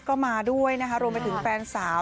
ก็มาด้วยนะคะรวมไปถึงแฟนสาว